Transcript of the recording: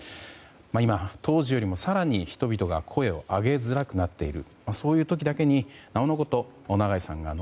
今、当時よりも更に人々が声を上げづらくなっている。